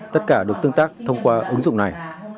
tất cả được tương tác thông qua ứng dụng này